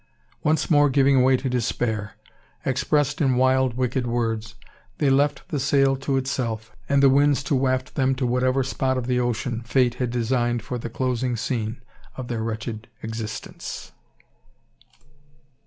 Once more giving way to despair, expressed in wild wicked words, they left the sail to itself, and the winds to waft them to whatever spot of the ocean fate had designed for the closing scene of their wretched existence.